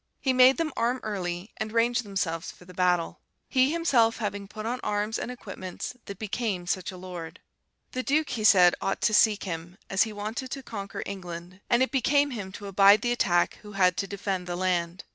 He made them arm early, and range themselves for the battle; he himself having put on arms and equipments that became such a lord. The Duke, he said, ought to seek him, as he wanted to conquer England; and it became him to abide the attack who had to defend the land.